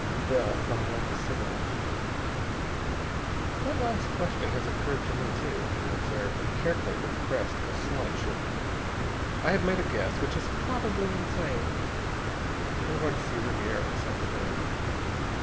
Bell flung away his cigarette. "That last question has occurred to me too," he observed, and carefully repressed a slight shiver. "I have made a guess, which is probably insane. I'm going to see Ribiera this afternoon."